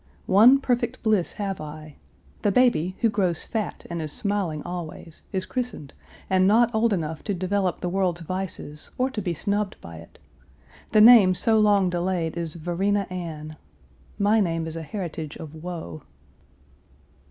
One perfect bliss have I. The baby, who grows fat and is smiling always, is christened, and not old enough to develop the world's vices or to be snubbed by it. The name so long delayed is Varina Anne. My name is a heritage of woe.